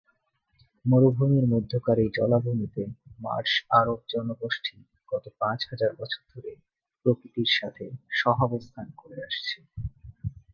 মরুভূমির মধ্যকার এই জলাভূমিতে মার্শ আরব জনগোষ্ঠী গত পাঁচ হাজার বছর ধরে প্রকৃতির সাথে সহাবস্থান করে আসছে।